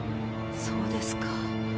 そうですか。